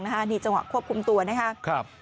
นี่จังหวะควบคุมตัวนะครับ